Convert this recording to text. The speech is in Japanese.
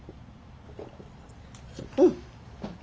うん。